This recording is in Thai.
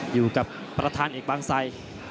อยู่กับประธานเอกบางไซ